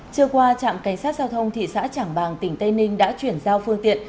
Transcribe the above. trưa qua trạm cảnh sát giao thông thị xã trảng bàng tỉnh tây ninh đã chuyển giao phương tiện